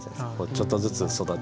ちょっとずつ育って。